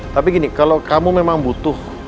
tapi gini kalau kamu memang butuh